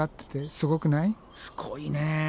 すごいね。